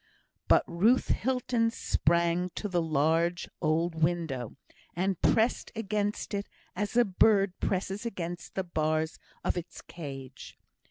But Ruth Hilton sprang to the large old window, and pressed against it as a bird presses against the bars of its cage.